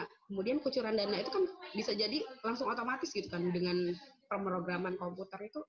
kemudian kucuran dana itu kan bisa jadi langsung otomatis gitu kan dengan pemrograman komputer itu